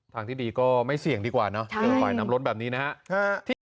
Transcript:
ทางที่ดีก็ไม่เสี่ยงดีกว่าเนาะฝ่ายน้ำรถแบบนี้นะฮะ